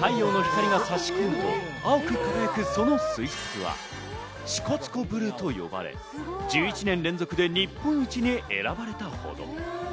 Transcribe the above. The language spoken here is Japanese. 太陽の光が差し込むと青く輝くその水質は支笏湖ブルーと呼ばれ、１１年連続で日本一に選ばれたほど。